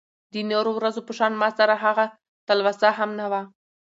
د نورو ورځو په شان ماسره هغه تلوسه هم نه وه .